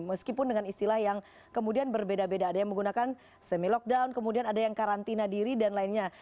meskipun dengan istilah yang kemudian berbeda beda ada yang menggunakan semi lockdown kemudian ada yang karantina diri dan lainnya